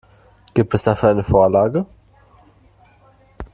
Gibt es dafür eine Vorlage?